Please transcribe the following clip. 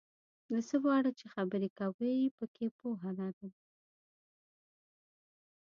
د څه په اړه چې خبرې کوې پکې پوهه لرل،